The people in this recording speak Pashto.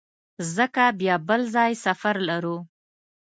ځکه بیا بل ځای سفر لرو.